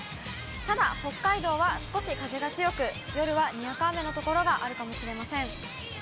ただ、北海道は少し風が強く、夜はにわか雨の所があるかもしれません。